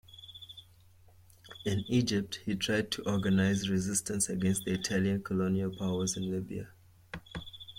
In Egypt, he tried to organize resistance against the Italian colonial powers in Libya.